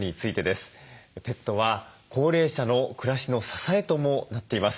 ペットは高齢者の暮らしの支えともなっています。